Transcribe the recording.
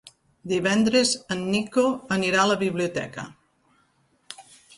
Divendres en Nico anirà a la biblioteca.